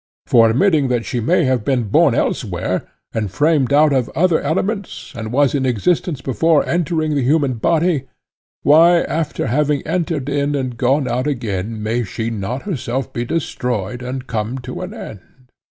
For admitting that she may have been born elsewhere, and framed out of other elements, and was in existence before entering the human body, why after having entered in and gone out again may she not herself be destroyed and come to an end?